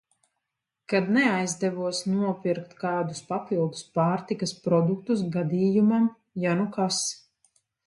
Kad neaizdevos nopirkt kādus papildus pārtikas produktus gadījumam, ja nu kas.